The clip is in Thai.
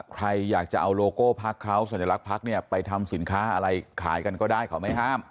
ใครอยากจะเอาโลโก้พักเขาสัญลักษณ์พักเนี่ยไปทำสินค้าอะไรขายกันก็ได้เขาไม่ห้าม